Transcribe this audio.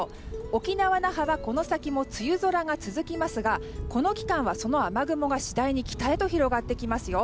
沖縄・那覇はこの先も梅雨空が続きますがこの期間は雨雲が次第に北へ広がってきますよ。